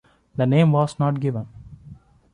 A name was not given.